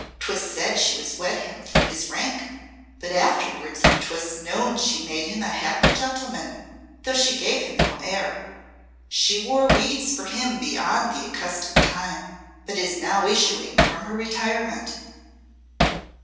'Twas said she wed him for his rank; but afterwards 'twas known she made him a happy gentleman, though she gave him no heir. She wore weeds for him beyond the accustomed time, and is but now issuing from her retirement."